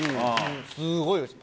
すごいおいしい。